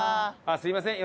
すみません。